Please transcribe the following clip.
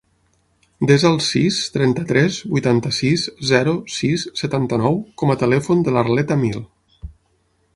Desa el sis, trenta-tres, vuitanta-sis, zero, sis, setanta-nou com a telèfon de l'Arlet Amil.